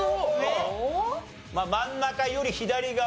真ん中より左側。